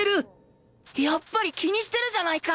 やっぱり気にしてるじゃないか！